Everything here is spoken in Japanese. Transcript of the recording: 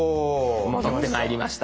戻ってまいりました。